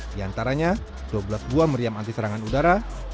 di antaranya dua belas buah meriam antisarangan udara